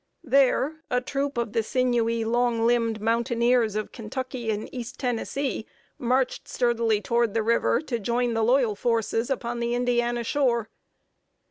There, a troop of the sinewy, long limbed mountaineers of Kentucky and East Tennessee, marched sturdily toward the river, to join the loyal forces upon the Indiana shore.